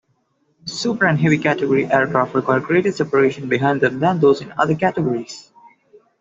Super and heavy-category aircraft require greater separation behind them than those in other categories.